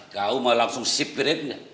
kau mau langsung sipirin dia